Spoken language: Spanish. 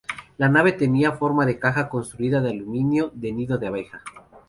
La nave tenía forma de caja, construida de aluminio de nido de abeja.